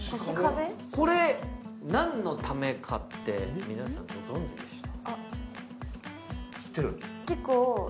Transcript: これ何のためかって、皆さんご存じですか。